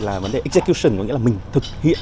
là vấn đề execution có nghĩa là mình thực hiện